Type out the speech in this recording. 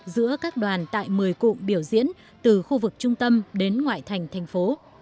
giữa các đoàn tại một mươi cụm biểu diễn từ khu vực trung tâm đến ngoại thành thành phố